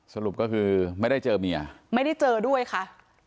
สรุปก็คือไม่ได้เจอเมียไม่ได้เจอด้วยค่ะ